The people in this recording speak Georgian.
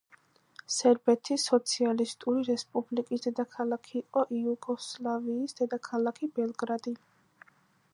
სერბეთის სოციალისტური რესპუბლიკის დედაქალაქი იყო იუგოსლავიის დედაქალაქი ბელგრადი.